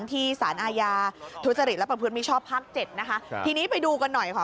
ที่สารอาญาทุจริตและประพฤติมิชชอบภาคเจ็ดนะคะครับทีนี้ไปดูกันหน่อยค่ะ